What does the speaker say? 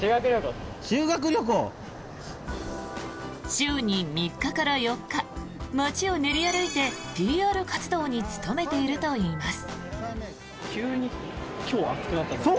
週に３日から４日街を練り歩いてＰＲ活動に努めているといいます。